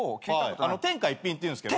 天下一品っていうんですけど。